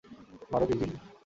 মারো, কিজি।